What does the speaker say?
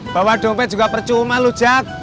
bawa dompet juga percuma lu jack